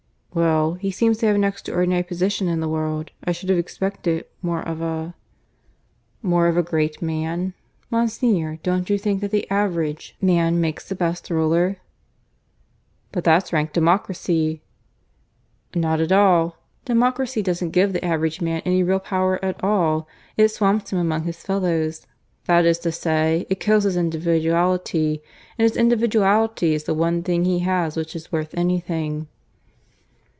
"Well, he seems to have an extraordinary position in the world. I should have expected more of a " "More of a great man? Monsignor, don't you think that the Average Man makes the best ruler?" "But that's rank Democracy!" "Not at all. Democracy doesn't give the Average Man any real power at all. It swamps him among his fellows that is to say, it kills his individuality; and his individuality is the one thing he has which is worth anything."